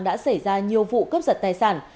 đã xảy ra nhiều vụ cướp giật tài sản